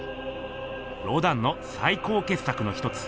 ロダンのさい高けっ作の一つ